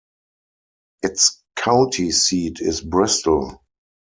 Its county seat is Bristol.